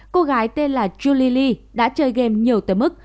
cô gái tên là yu li li đã chơi game nhiều tới mức